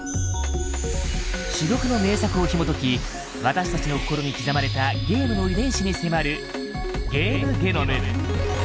珠玉の名作をひもとき私たちの心に刻まれたゲームの遺伝子に迫る